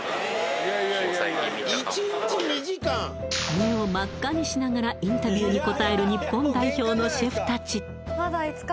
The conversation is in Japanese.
目を真っ赤にしながらインタビューに答える日本代表のシェフたち